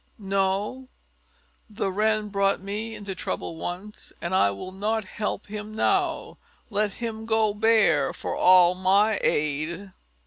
No! The Wren brought me into trouble once, and I will not help him now. Let him go bare, for all my aid."